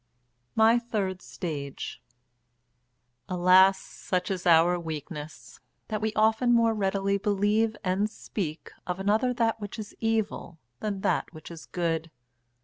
MY THIRD STAGE Alas! such is our weakness, that we often more readily believe and speak of another that which is evil than that which is good.